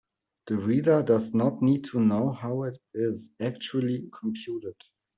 The reader does not need to know how it is actually computed.